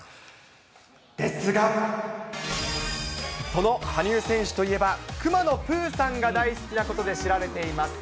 その羽生選手といえば、くまのプーさんが大好きなことで知られています。